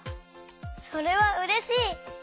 それはうれしい！